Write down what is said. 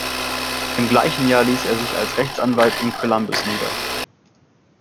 Im gleichen Jahr ließ er sich als Rechtsanwalt in Columbus nieder.